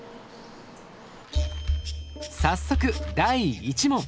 早速第１問！